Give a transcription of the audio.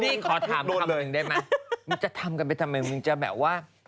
ขอถามคำหนึ่งได้ไหมมึงจะทำกันไปทำไมมึงจะแบบว่า